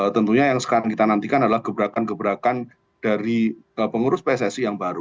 tentunya yang sekarang kita nantikan adalah gebrakan gebrakan dari pengurus pssi yang baru